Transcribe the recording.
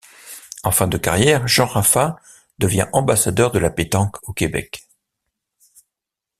En fin de carrière, Jean Rafa devient ambassadeur de la pétanque au Québec.